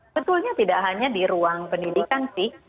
sebetulnya tidak hanya di ruang pendidikan sih